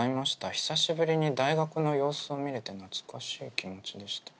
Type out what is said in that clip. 久しぶりに大学の様子を見れて懐かしい気持ちでした」。